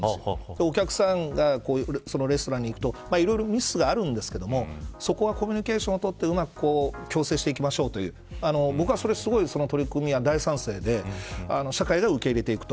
お客さんがそのレストランに行くといろいろミスがあるんですけどそこはコミュニケーションを取ってうまく調整していきましょうという僕は、その取り組みは大賛成で社会が受け入れていくと。